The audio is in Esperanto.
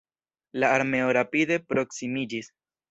La armeo rapide proksimiĝis.